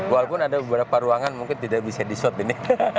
walaupun ada beberapa ruangan mungkin tidak bisa di shot ini